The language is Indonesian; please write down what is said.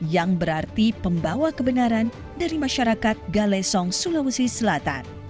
yang berarti pembawa kebenaran dari masyarakat galesong sulawesi selatan